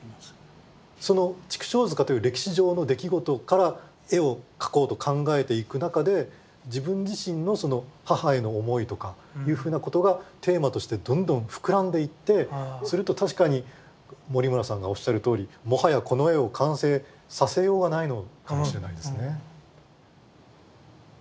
その畜生塚という歴史上の出来事から絵を描こうと考えていく中で自分自身のその母への思いとかいうふうなことがテーマとしてどんどん膨らんでいってすると確かに森村さんがおっしゃるとおりもはやこの絵を完成させようがないのかもしれないですね。